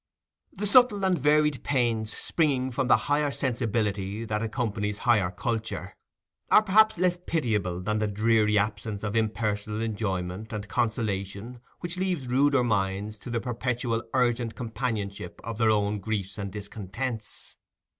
The subtle and varied pains springing from the higher sensibility that accompanies higher culture, are perhaps less pitiable than that dreary absence of impersonal enjoyment and consolation which leaves ruder minds to the perpetual urgent companionship of their own griefs and discontents.